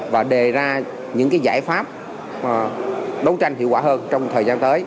và đề ra những giải pháp đấu tranh hiệu quả hơn trong thời gian tới